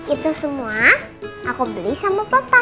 itu semua aku beli sama papa